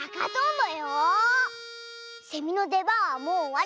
セミのでばんはもうおわり！